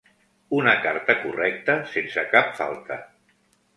Una carta correcta, sense cap falta.